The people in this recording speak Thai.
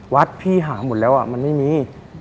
วัดพี่หาหมดแล้วมันไม่มี